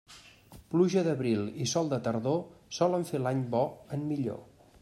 Pluja d'abril i sol de tardor solen fer l'any bo en millor.